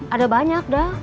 ada banyak dah